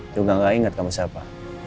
juga gak ingat kamu siapa